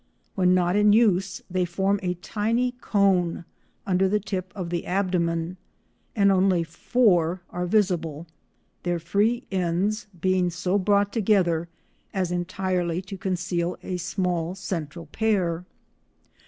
When not in use they form a tiny cone under the tip of the abdomen, and only four are visible, their free ends being so brought together as entirely to conceal a small central pair.